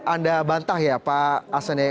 anda bantah ya pak asen ya